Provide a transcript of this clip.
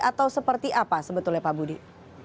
atau seperti apa sebetulnya pak budi